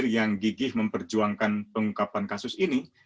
yang gigih memperjuangkan pengungkapan kasus ini